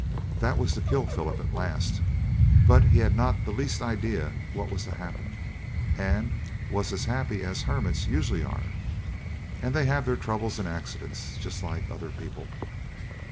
That was to kill Philip at last, but he had not the least idea what was to happen, and was as happy as hermits usually are, and they have their troubles and accidents just like other people.